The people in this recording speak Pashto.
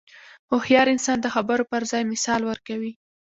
هوښیار انسان د خبرو پر ځای مثال ورکوي.